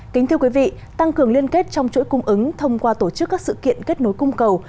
kính thưa quý vị tăng cường liên kết trong chuỗi cung ứng thông qua tổ chức các sự kiện kết nối cung cầu